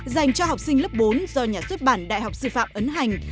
dành cho học sinh lớp bốn do nhà xuất bản đại học sư phạm ấn hành